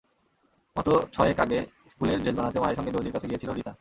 মাস ছয়েক আগে স্কুলের ড্রেস বানাতে মায়ের সঙ্গে দরজির কাছে গিয়েছিল রিসা।